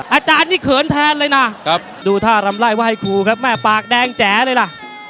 อาจารย์นี่เขินแทนเลยนะดูท่ารำไล่ไห้ครูครับแม่ปากแดงแจ๋เลยล่ะ